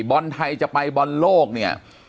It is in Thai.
บอลไทยจะไปบอลโลกเนี่ย